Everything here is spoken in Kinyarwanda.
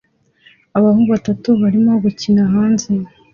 Abahungu batatu barimo gukina hanze